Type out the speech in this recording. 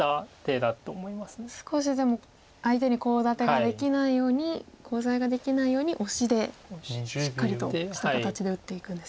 少しでも相手にコウ立てができないようにコウ材ができないようにオシでしっかりとした形で打っていくんですね。